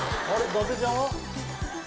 伊達ちゃん！